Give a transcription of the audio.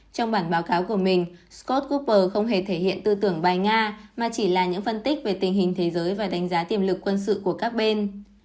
trong bản báo cáo của mình scott goopper không hề thể hiện tư tưởng bài nga mà chỉ là những phân tích về tình hình thế giới và đánh giá tiềm lực quân sự của các bên